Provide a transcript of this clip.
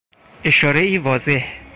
اشارهای واضح